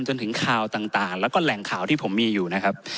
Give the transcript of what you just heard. จนถึงข่าวต่างแล้วก็แหล่งข่าวที่ผมมีอยู่นะครับ